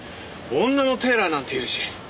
女のテーラーなんているし。